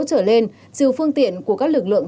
trở lên trừ phương tiện của các lực lượng